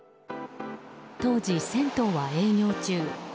当時、銭湯は営業中。